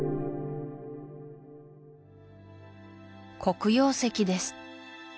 黒曜石です